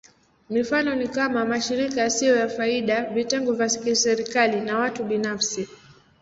Mifano ni kama: mashirika yasiyo ya faida, vitengo vya kiserikali, na watu binafsi.